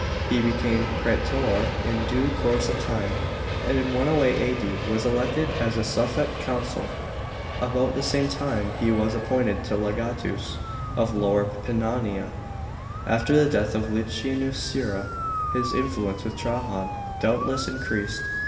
He became praetor in due course of time, and in 108 A.D. was elected as a suffect consul. About the same time he was appointed legatus of Lower Pannonia. After the death of Licinius Sura, his influence with Trajan doubtless increased.